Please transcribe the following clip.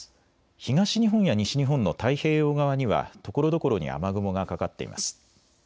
東日本や西日本の太平洋側にはところどころに雨雲がかかっています。